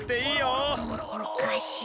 おかしい。